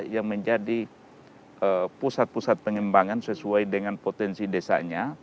yang menjadi pusat pusat pengembangan sesuai dengan potensi desanya